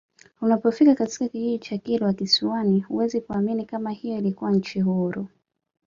Unapofika katika kijiji cha Kilwa Kisiwani huwezi kuamini kama hiyo ilikuwa nchi huru